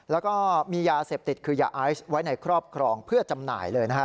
แล้วก็มียาเสพติดคือยาไอซ์ไว้ในครอบครองเพื่อจำหน่ายเลยนะฮะ